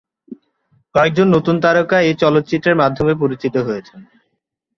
কয়েকজন নতুন তারকা এই চলচ্চিত্রের মাধ্যমে পরিচিত হয়েছেন।